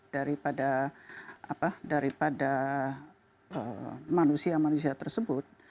daripada manusia manusia tersebut